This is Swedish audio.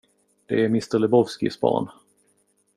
Det är mr Lebowskis barn...